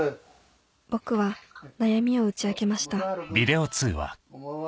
僕は悩みを打ち明けましたこんばんは。